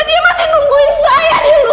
dia masih nungguin saya di luar